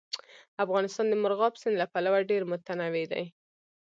افغانستان د مورغاب سیند له پلوه ډېر متنوع دی.